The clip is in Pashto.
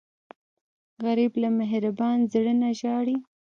غریب له مهربان زړه نه ژاړي